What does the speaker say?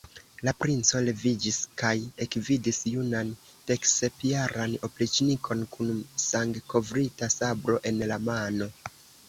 La princo leviĝis kaj ekvidis junan deksepjaran opriĉnikon kun sangkovrita sabro en la mano.